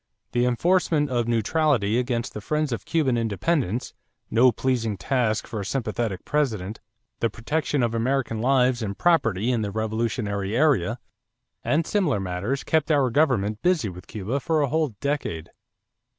The enforcement of neutrality against the friends of Cuban independence, no pleasing task for a sympathetic President, the protection of American lives and property in the revolutionary area, and similar matters kept our government busy with Cuba for a whole decade.